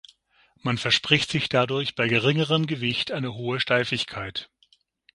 Man verspricht sich dadurch bei geringerem Gewicht eine hohe Steifigkeit.